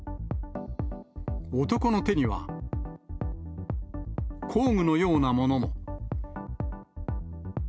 男の手には工具のようなものも。